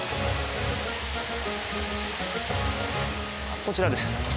こちらです。